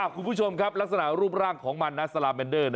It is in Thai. คุณผู้ชมครับลักษณะรูปร่างของมันนะสลาเมนเดอร์